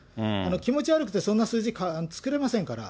気持ち悪くてそんな数字、作れませんから。